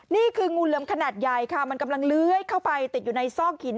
งูเหลือมขนาดใหญ่ค่ะมันกำลังเลื้อยเข้าไปติดอยู่ในซอกหิน